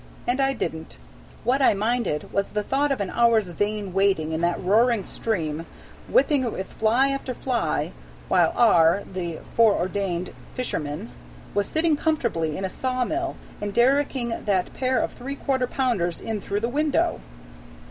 And I didn't. What I minded was the thought of an hour's vain wading in that roaring stream, whipping it with fly after fly, while R., the foreordained fisherman, was sitting comfortably in a sawmill, and derricking that pair of three quarter pounders in through the window!